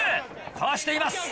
かわしています。